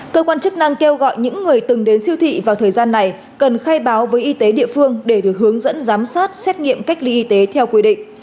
cơ quan chức năng kêu gọi những người từng đến siêu thị vào thời gian này cần khai báo với y tế địa phương để được hướng dẫn giám sát xét nghiệm cách ly y tế theo quy định